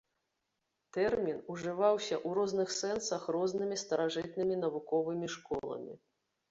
Тэрмін ужываўся ў розных сэнсах рознымі старажытнымі навуковымі школамі.